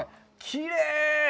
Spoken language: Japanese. きれい！